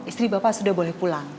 istri bapak sudah boleh pulang